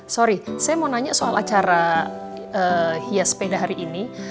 sorry saya mau nanya soal acara hias sepeda hari ini